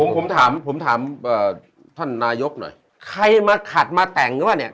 ผมผมถามผมถามท่านนายกหน่อยใครมาขัดมาแต่งหรือว่าเนี่ย